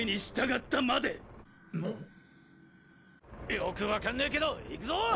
よく分かんねぇけどいくぞ！